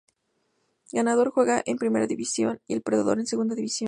Ganador juega en Primera división y El perdedor en Segunda división.